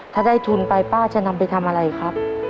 ถ้าได้ทุนไปป้าจะนำไปทำอะไรครับ